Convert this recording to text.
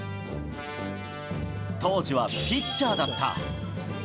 当時はピッチャーだった。